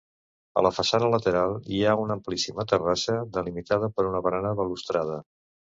A la façana lateral, hi ha una amplíssima terrassa delimitada per una barana balustrada.